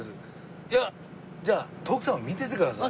いやじゃあ徳さんを見ててください。